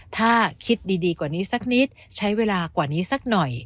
ถ้าคิดดีกว่านี้สักนิดใช้เวลากว่านี้สักหน่อย